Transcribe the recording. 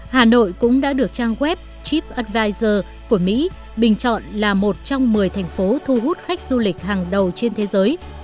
hà nội cũng đã được trang web chip afgizer của mỹ bình chọn là một trong một mươi thành phố thu hút khách du lịch hàng đầu trên thế giới